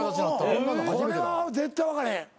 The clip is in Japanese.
これは絶対分からへん。